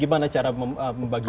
gimana cara membaginya